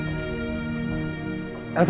buon berjalan ya